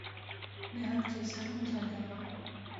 Nehat kêşan û taydan.